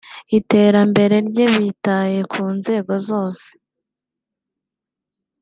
iterambere rye bitaye ku nzego zose